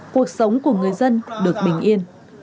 cuộc sống của người dân được bình yên